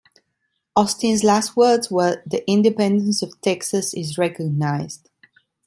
Austin's last words were The independence of Texas is recognized!